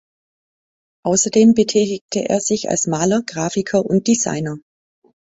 Außerdem betätigte er sich als Maler, Grafiker und Designer.